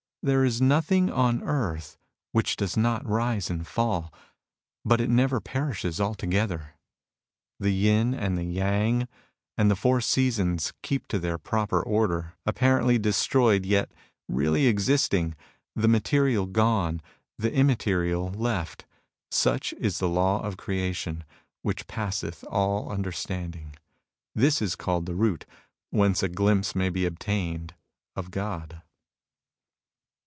There is nothing on earth which does not rise and fall, but it never perishes altogether. The Yin and the Yang,^ and the four seasons, keep to their proper order. Apparently de stroyed, yet really existing; the material gone, the immaterial left, — such is the law of creation, which passeth all understanding. This is called the root, whence a glimpse may be obtained of God.